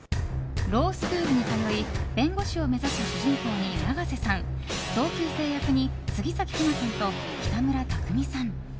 ロースクールに通い弁護士を目指す主人公に永瀬さん同級生役に杉咲花さんと北村匠海さん。